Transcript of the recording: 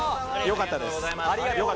よかったです。